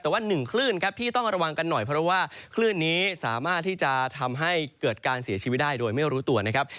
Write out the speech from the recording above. แต่ว่าหนึ่งคลื่นครับที่ต้องระวังกันหน่อยเพราะว่าคลื่นนี้สามารถที่จะทำให้เกิดการเสียชีวิตได้โดยไม่รู้ตัวนะครับ